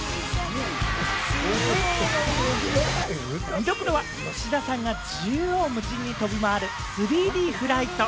見どころは、吉田さんが縦横無尽に飛び回る３Ｄフライト。